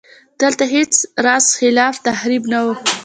دلته هېڅ راز خلاق تخریب نه و